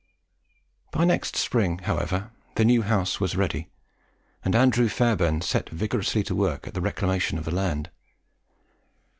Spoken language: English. By next spring, however, the new house was ready; and Andrew Fairbairn set vigorously to work at the reclamation of the land.